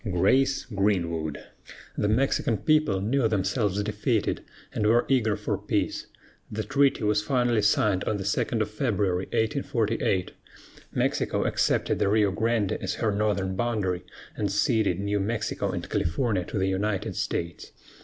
GRACE GREENWOOD. The Mexican people knew themselves defeated, and were eager for peace. The treaty was finally signed February 2, 1848. Mexico accepted the Rio Grande as her northern boundary, and ceded New Mexico and California to the United States.